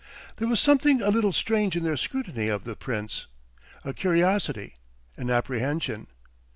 There was something a little strange in their scrutiny of the Prince a curiosity, an apprehension.